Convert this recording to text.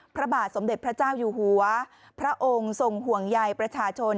พระบาทสมเด็จพระเจ้าอยู่หัวพระองค์ทรงห่วงใยประชาชน